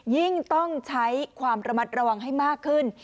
ยิ่งต้องใช้ความระมัดระวังให้มากขึ้น